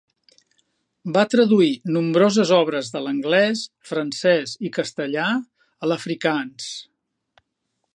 Va traduir nombroses obres de l'anglès, francès i castellà a l'afrikaans.